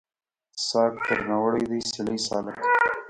ساګ درنه وړی دی سیلۍ سالکه